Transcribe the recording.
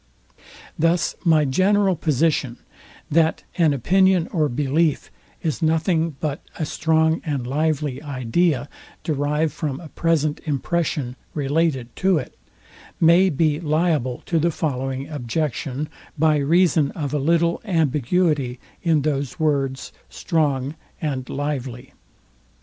Thus my general position, that an opinion or belief is nothing but a strong and lively idea derived from a present impression related to it, maybe liable to the following objection, by reason of a little ambiguity in those words strong and lively.